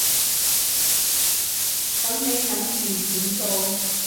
噉你諗住點做？